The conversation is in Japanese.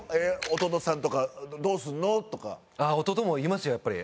弟さんに「どうすんの？」とか。弟も言いますよやっぱり。